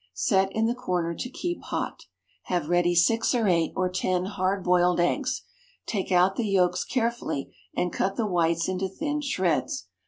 Set in the corner to keep hot. Have ready six, or eight, or ten hard boiled eggs. Take out the yolks carefully, and cut the whites into thin shreds.